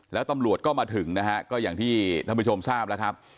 แล้วตำรวจก็มาถึงนะฮะก็อย่างที่ท่านผู้ชมทราบแล้วครับ